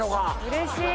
うれしい！